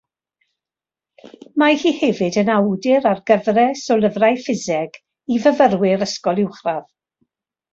Mae hi hefyd yn awdur ar gyfres o lyfrau ffiseg i fyfyrwyr ysgol uwchradd.